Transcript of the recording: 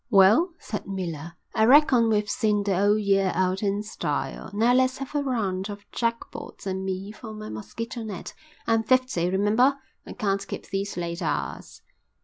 "Well," said Miller, "I reckon we've seen the old year out in style. Now let's have a round of jackpots and me for my mosquito net. I'm fifty, remember, I can't keep these late hours."